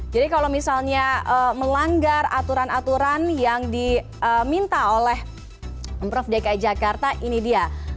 jadi kalau misalnya melanggar aturan aturan yang diminta oleh prof dki jakarta ini dia